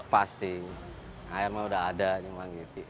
pasti air memang udah ada